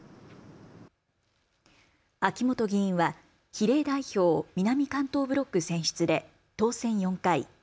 秋本議員は比例代表南関東ブロック選出で当選４回。